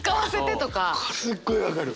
すっごい分かる。